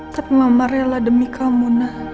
tapi mama rela demi kamu nak